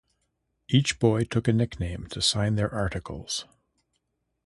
Each boy took a nickname to sign their articles.